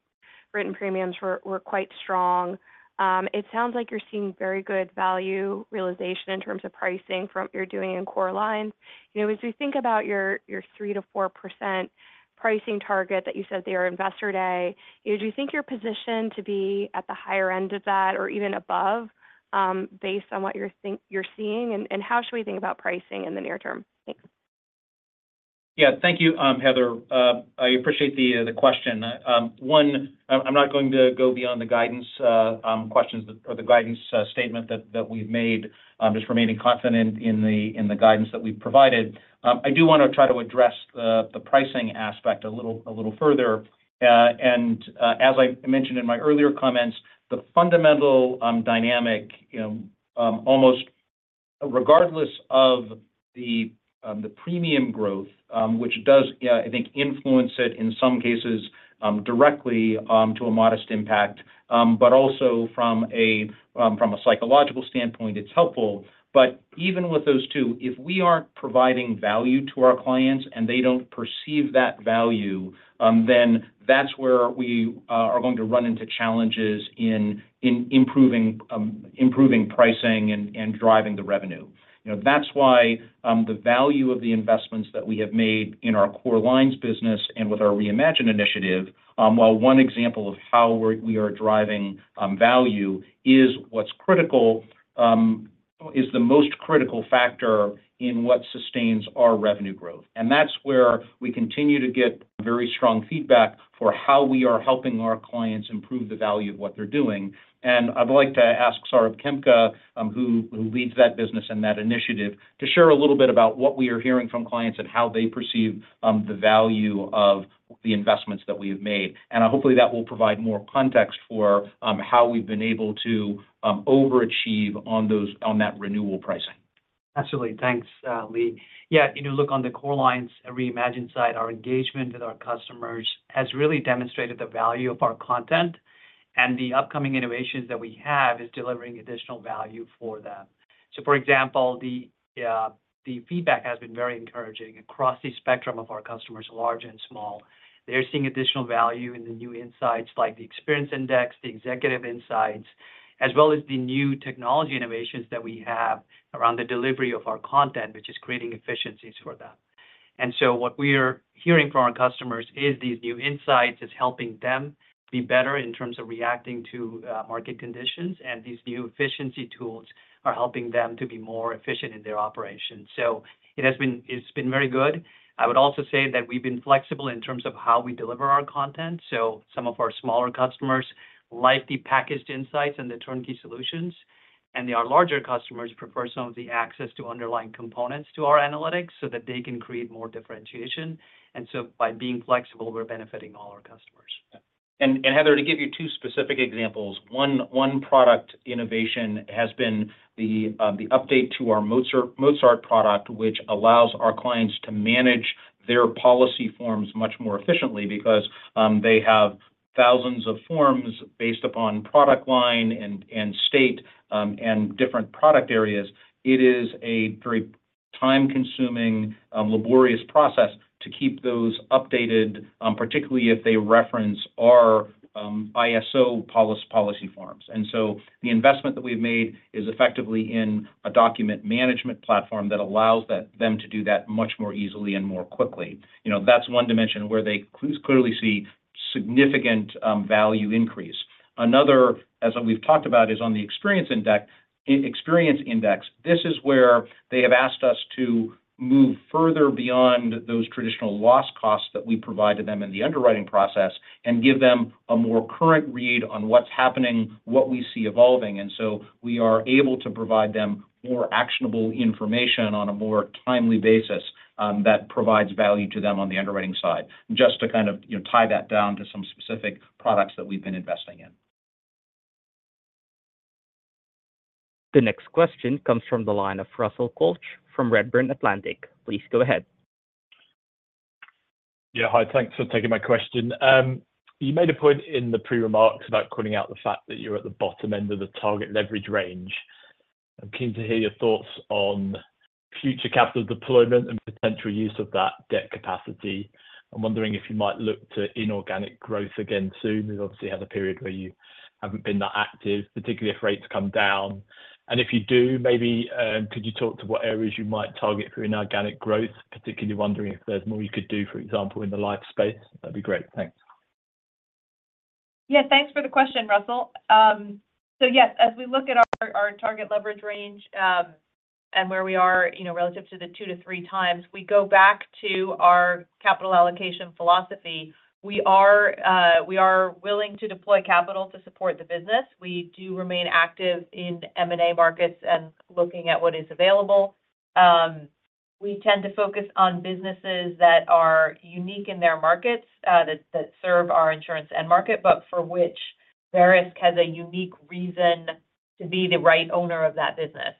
written premiums were quite strong. It sounds like you're seeing very good value realization in terms of pricing from what you're doing in Core Lines. You know, as we think about your three to four percent pricing target that you set there at Investor Day, do you think you're positioned to be at the higher end of that or even above, based on what you're seeing? And how should we think about pricing in the near term? Thanks. Yeah. Thank you, Heather. I appreciate the question. I'm not going to go beyond the guidance questions or the guidance statement that we've made. Just remaining confident in the guidance that we've provided. I do want to try to address the pricing aspect a little further. And as I mentioned in my earlier comments, the fundamental dynamic almost regardless of the premium growth, which does, I think, influence it in some cases, directly to a modest impact, but also from a psychological standpoint, it's helpful. But even with those two, if we aren't providing value to our clients and they don't perceive that value, then that's where we're going to run into challenges in improving pricing and driving the revenue. You know, that's why the value of the investments that we have made in our Core Lines business and with our Reimagine initiative, while one example of how we're driving value, is what's critical is the most critical factor in what sustains our revenue growth, and that's where we continue to get very strong feedback for how we are helping our clients improve the value of what they're doing. I'd like to ask Saurabh Khemka, who leads that business and that initiative, to share a little bit about what we are hearing from clients and how they perceive the value of the investments that we have made. Hopefully, that will provide more context for how we've been able to overachieve on that renewal pricing. Absolutely. Thanks, Lee. Yeah, you know, look, on the Core Lines Reimagine side, our engagement with our customers has really demonstrated the value of our content, and the upcoming innovations that we have is delivering additional value for them. So, for example, the feedback has been very encouraging across the spectrum of our customers, large and small. They're seeing additional value in the new insights, like the Experience Index, the Executive Insights, as well as the new technology innovations that we have around the delivery of our content, which is creating efficiencies for them. And so what we are hearing from our customers is these new insights is helping them be better in terms of reacting to market conditions, and these new efficiency tools are helping them to be more efficient in their operations. So it has been. It's been very good. I would also say that we've been flexible in terms of how we deliver our content. So some of our smaller customers like the packaged insights and the turnkey solutions, and our larger customers prefer some of the access to underlying components to our analytics so that they can create more differentiation. And so by being flexible, we're benefiting all our customers. Heather, to give you two specific examples, one product innovation has been the update to our Mozart product, which allows our clients to manage their policy forms much more efficiently because they have thousands of forms based upon product line and state and different product areas. It is a very time-consuming laborious process to keep those updated, particularly if they reference our ISO policy forms. And so the investment that we've made is effectively in a document management platform that allows them to do that much more easily and more quickly. You know, that's one dimension where they clearly see significant value increase. Another, as we've talked about, is on the Experience Index. ISO Experience Index, this is where they have asked us to move further beyond those traditional loss costs that we provide to them in the underwriting process and give them a more current read on what's happening, what we see evolving. And so we are able to provide them more actionable information on a more timely basis, that provides value to them on the underwriting side. Just to kind of, you know, tie that down to some specific products that we've been investing in. The next question comes from the line of Russell Quelch from Redburn Atlantic. Please go ahead. Yeah, hi. Thanks for taking my question. You made a point in the pre-remarks about calling out the fact that you're at the bottom end of the target leverage range. I'm keen to hear your thoughts on future capital deployment and potential use of that debt capacity. I'm wondering if you might look to inorganic growth again soon. You obviously had a period where you haven't been that active, particularly if rates come down. And if you do, maybe, could you talk to what areas you might target for inorganic growth? Particularly wondering if there's more you could do, for example, in the life space. That'd be great. Thanks. Yeah, thanks for the question, Russell. So yes, as we look at our our target leverage range, and where we are, you know, relative to the 2x to 3x, we go back to our capital allocation philosophy. We are, we are willing to deploy capital to support the business. We do remain active in M&A markets and looking at what is available. We tend to focus on businesses that are unique in their markets, that serve our insurance end market, but for which Verisk has a unique reason to be the right owner of that business.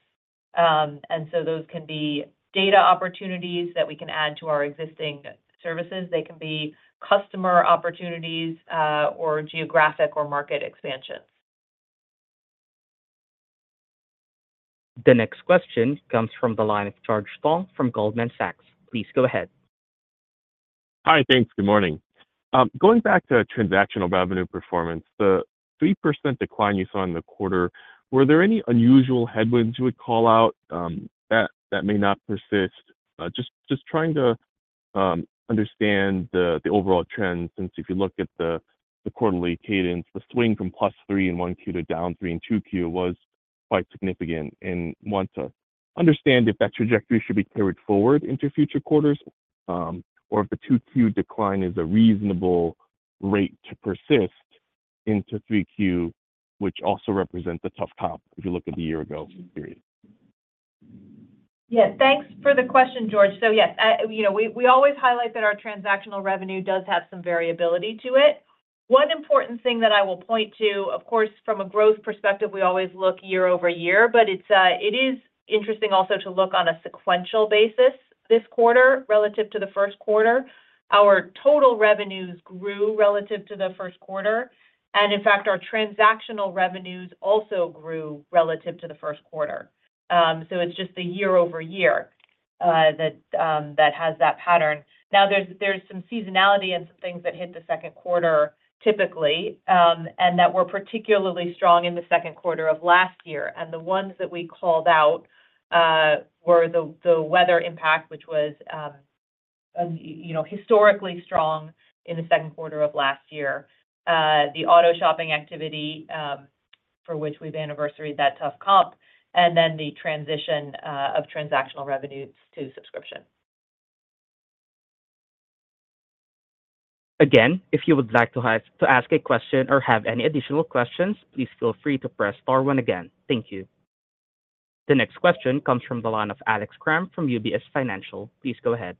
And so those can be data opportunities that we can add to our existing services. They can be customer opportunities, or geographic or market expansion. The next question comes from the line of George Tong from Goldman Sachs. Please go ahead. Hi, thanks. Good morning. Going back to transactional revenue performance, the 3% decline you saw in the quarter, were there any unusual headwinds you would call out, that may not persist? Just trying to understand the overall trend, since if you look at the quarterly cadence, the swing from +3% in Q1 to -3% in Q2 was quite significant. Want to understand if that trajectory should be carried forward into future quarters, or if the Q2 decline is a reasonable rate to persist into Q3, which also represents a tough comp if you look at the year ago period. Yeah. Thanks for the question, George. So yes, you know, we always highlight that our transactional revenue does have some variability to it. One important thing that I will point to, of course, from a growth perspective, we always look year-over-year, but it is interesting also to look on a sequential basis this quarter relative to the first quarter. Our total revenues grew relative to the first quarter, and in fact, our transactional revenues also grew relative to the first quarter. So it's just the year-over-year that has that pattern. Now, there's some seasonality and some things that hit the second quarter typically, and that were particularly strong in the second quarter of last year. And the ones that we called out were the weather impact, which was, you know, historically strong in the second quarter of last year. The auto shopping activity, for which we've anniversaried that tough comp, and then the transition of transactional revenues to subscription. Again, if you would like to ask a question or have any additional questions, please feel free to press star one again. Thank you. The next question comes from the line of Alex Kramm from UBS. Please go ahead.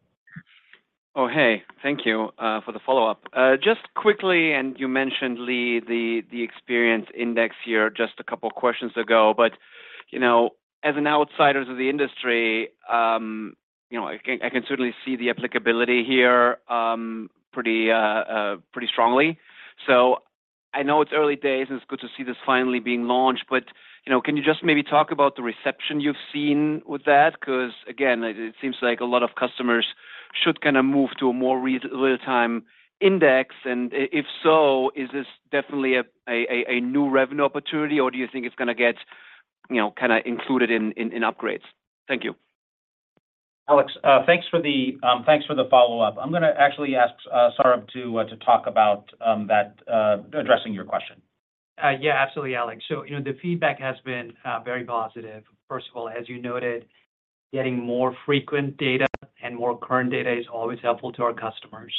Oh, hey. Thank you for the follow-up. Just quickly, and you mentioned, Lee, the Experience Index here just a couple questions ago, but you know, as an outsider of the industry, you know, I can certainly see the applicability here pretty strongly. So I know it's early days, and it's good to see this finally being launched, but you know, can you just maybe talk about the reception you've seen with that? 'Cause again, it seems like a lot of customers should kind of move to a more real-time index. And if so, is this definitely a new revenue opportunity, or do you think it's gonna get you know, kinda included in upgrades? Thank you. Alex, thanks for the—thanks for the follow-up. I'm gonna actually ask Saurabh to talk about that, addressing your question. Yeah, absolutely, Alex. So, you know, the feedback has been very positive. First of all, as you noted, getting more frequent data and more current data is always helpful to our customers,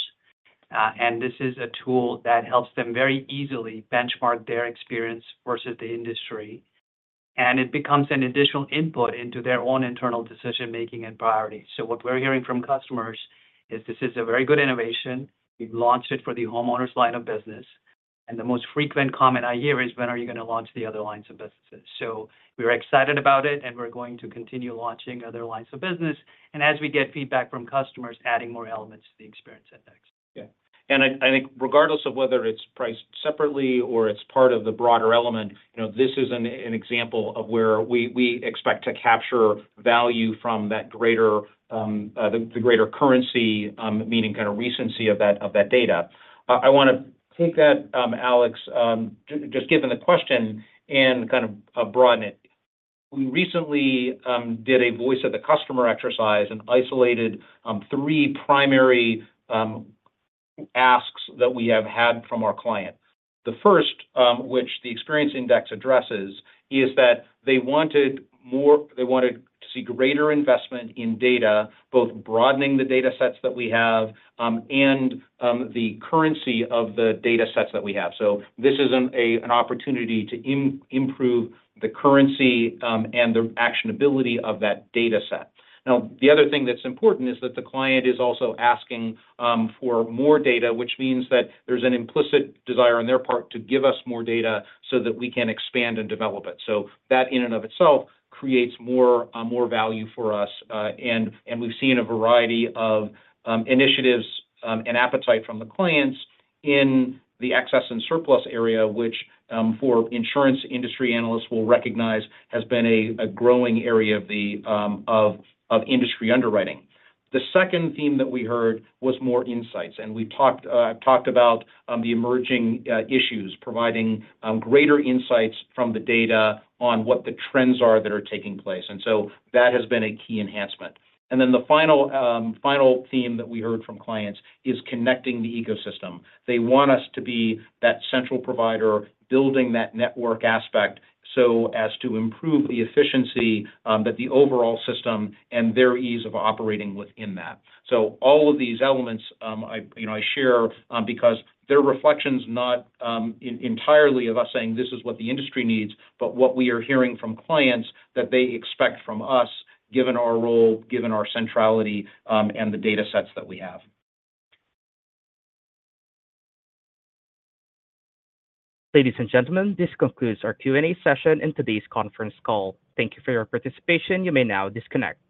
and this is a tool that helps them very easily benchmark their experience versus the industry, and it becomes an additional input into their own internal decision-making and priority. So what we're hearing from customers is this is a very good innovation. We've launched it for the homeowners line of business, and the most frequent comment I hear is: "When are you gonna launch the other lines of businesses?" So we're excited about it, and we're going to continue launching other lines of business, and as we get feedback from customers, adding more elements to the Experience Index. Yeah. And I think regardless of whether it's priced separately or it's part of the broader element, you know, this is an example of where we expect to capture value from that greater currency, meaning kind of recency of that data. I wanna take that, Alex, just given the question and kind of broaden it. We recently did a voice of the customer exercise and isolated three primary asks that we have had from our client. The first, which the Experience Index addresses, is that they wanted to see greater investment in data, both broadening the data sets that we have and the currency of the data sets that we have. So this is an opportunity to improve the currency, and the actionability of that data set. Now, the other thing that's important is that the client is also asking for more data, which means that there's an implicit desire on their part to give us more data so that we can expand and develop it. So that in and of itself creates more more value for us, and and we've seen a variety of initiatives, and appetite from the clients in the excess and surplus area, which for insurance industry analysts will recognize, has been a growing area of the of of industry underwriting. The second theme that we heard was more insights, and we've talked, I've talked about the emerging issues, providing greater insights from the data on what the trends are that are taking place, and so that has been a key enhancement. And then the final final theme that we heard from clients is connecting the ecosystem. They want us to be that central provider, building that network aspect so as to improve the efficiency that the overall system and their ease of operating within that. So all of these elements, I, you know, I share, because they're reflections, not entirely of us saying this is what the industry needs, but what we are hearing from clients that they expect from us, given our role, given our centrality, and the data sets that we have. Ladies and gentlemen, this concludes our Q&A session and today's conference call. Thank you for your participation. You may now disconnect.